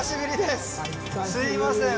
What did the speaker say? すいません